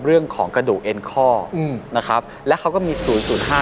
กระดูกเอ็นข้ออืมนะครับแล้วเขาก็มีศูนย์ศูนย์ห้า